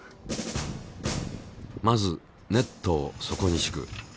まずネットを底にしく。